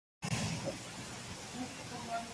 Tuvo participación destacada en dos guerras civiles.